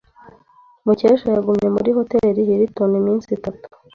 Mukesha yagumye muri Hoteli Hilton iminsi itatu.